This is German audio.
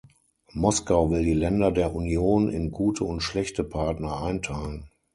Moskau will die Länder der Union in gute und schlechte Partner einteilen.